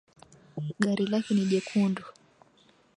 Gari lake ni jekundu.